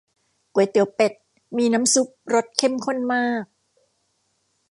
ก๋วยเตี๋ยวเป็ด มีน้ำซุปรสเข้มข้นมาก